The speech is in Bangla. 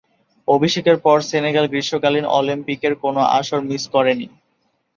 অভিষেকের পর সেনেগাল গ্রীষ্মকালীন অলিম্পিকের কোন আসর মিস করেনি।